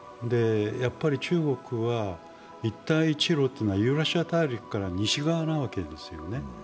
中国は、一帯一路というのはユーラシア大陸から西側なわけですよね。